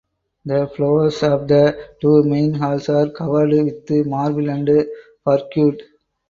The floors of the two main halls are covered with marble and parquet.